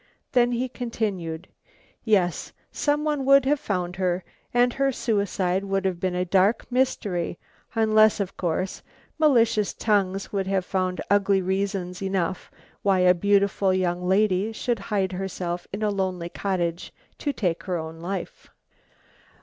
Then he continued: "Yes, someone would have found her, and her suicide would have been a dark mystery, unless, of course, malicious tongues would have found ugly reasons enough why a beautiful young lady should hide herself in a lonely cottage to take her own life."